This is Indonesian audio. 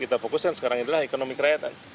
kita fokuskan sekarang adalah ekonomi kerahatan